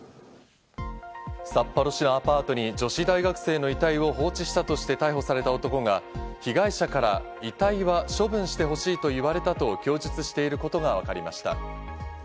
札幌市のアパートに女子大学生の遺体を放置したとして逮捕された男が被害者から、遺体は処分してほしいと言われたと供述していることがわかりました。